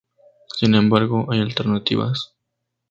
Sin embargo hay alternativas.